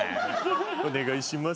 お願いします。